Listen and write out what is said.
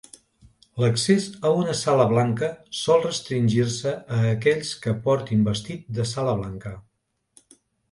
L'accés a una sala blanca sol restringir-se a aquells que portin vestit de sala blanca.